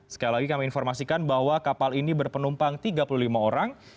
sekali lagi kami informasikan bahwa kapal ini berpenumpang tiga puluh lima orang